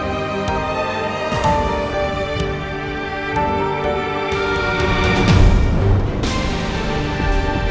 sedih berantakan kan khayalannya kiki